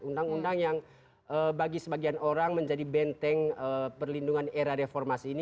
undang undang yang bagi sebagian orang menjadi benteng perlindungan era reformasi ini